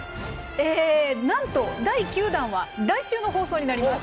えなんと第９弾は来週の放送になります。